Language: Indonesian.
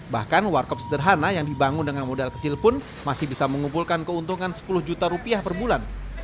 bahkan warkop sederhana yang dibangun dengan modal kecil pun masih bisa mengumpulkan keuntungan sepuluh juta rupiah per bulan